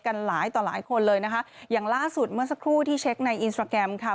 กันหลายต่อหลายคนเลยนะคะอย่างล่าสุดเมื่อสักครู่ที่เช็คในอินสตราแกรมค่ะ